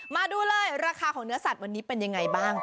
มาดูเลยราคาของเนื้อสัตว์วันนี้เป็นยังไงบ้าง